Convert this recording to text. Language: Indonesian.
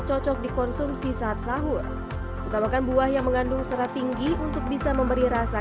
cocok dikonsumsi saat sahur utamakan buah yang mengandung serat tinggi untuk bisa memberi rasa